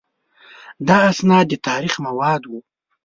دا اسناد د تاریخ مواد وو.